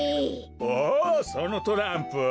おおそのトランプは。